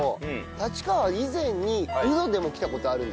立川は以前にウドでも来た事あるんです。